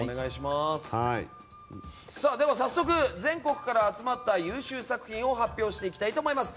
では、早速全国から集まった優秀作品を発表します。